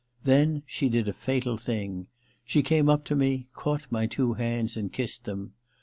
Then she did a fatal thing. She came up to me, caught my two hands and kissed them.